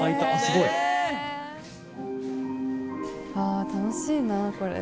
あ楽しいなこれ。